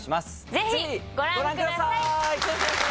ぜひご覧ください！